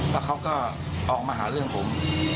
แล้วเขาก็ออกมาหาเรื่องผม